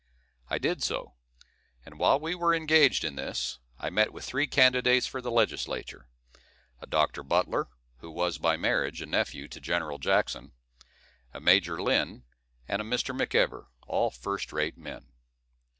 I did so; and while we were engaged in this, I met with three candidates for the Legislature; a Doctor Butler, who was, by marriage, a nephew to General Jackson, a Major Lynn, and a Mr. McEver, all first rate men.